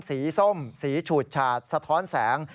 ส้มสีฉูดฉาดสะท้อนแสง